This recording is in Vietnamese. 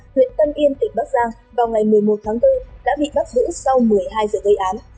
huyện tân yên tỉnh bắc giang vào ngày một mươi một tháng bốn đã bị bắt giữ sau một mươi hai giờ gây án